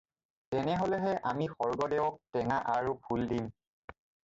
তেনেহ'লেহে আমি স্বৰ্গদেৱক টেঙা আৰু ফুল দিম!